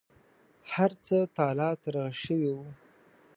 هرڅه تالا ترغه شوي و.